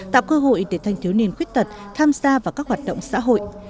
tạo cơ hội để thanh thiếu niên khuyết tật tham gia vào các hoạt động xã hội